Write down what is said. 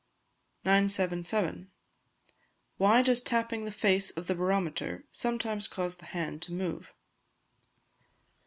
977. _Why does Tapping the Face of the Barometer sometimes cause the Hand to Move?